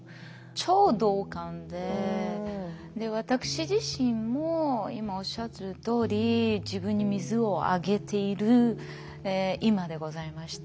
超同感で私自身も今おっしゃってるとおり自分に水をあげている今でございまして。